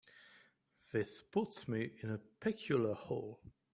This puts me in a peculiar hole.